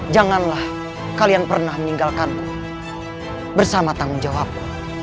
janganlah kalian pernah meninggalkanmu bersama tanggung jawabku